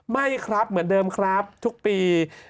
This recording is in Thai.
ไม่ครับเหมือนเดิมครับทุกปี